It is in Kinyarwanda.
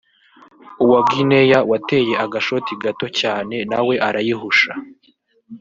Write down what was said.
uwa Guinea wateye agashoti gato cyane nawe arayihusha